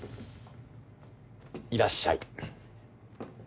いらっしゃい。